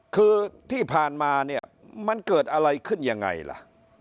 คือที่ผ่านมาเนี่ยมันเกิดอะไรขึ้นยังไงล่ะ